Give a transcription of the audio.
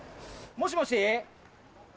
もしもし？